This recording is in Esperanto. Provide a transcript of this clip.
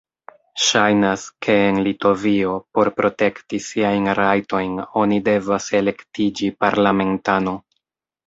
Ŝajnas, ke en Litovio, por protekti siajn rajtojn, oni devas elektiĝi parlamentano.